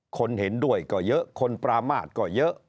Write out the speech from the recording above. คนเห็นด้วยก็เยอะคนปรามาทก็เยอะ